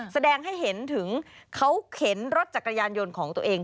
แสดงให้เห็นถึงเขาเข็นรถจักรยานยนต์ของตัวเอง